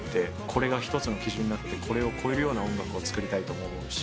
これが一つの基準になってこれを超えるような音楽を作りたいとも思うし。